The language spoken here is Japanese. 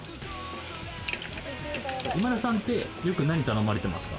今田さんって、よく何頼まれてますか？